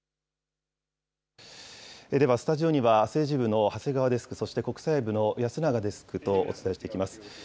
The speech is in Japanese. ではスタジオには、政治部の長谷川デスク、国際部のやすながデスクとお伝えしていきます。